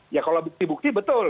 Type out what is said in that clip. ya kalau bukti bukti betul